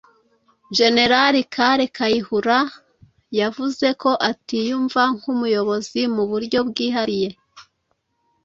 Jenerali Kale Kayihura yavuze ko atiyumva nk’umuyobozi mu buryo bwihariye